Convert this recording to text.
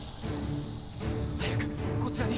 早くこちらに！